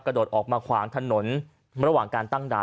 โดดออกมาขวางถนนระหว่างการตั้งด่าน